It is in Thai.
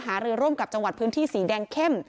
รือร่วมกับจังหวัดพื้นที่สีแดงเข้ม